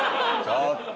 ちょっと！